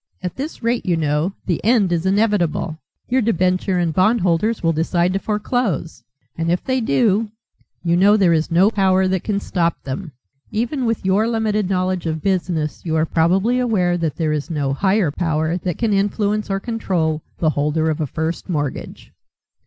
At this rate, you know, the end is inevitable. Your debenture and bondholders will decide to foreclose; and if they do, you know, there is no power that can stop them. Even with your limited knowledge of business you are probably aware that there is no higher power that can influence or control the holder of a first mortgage."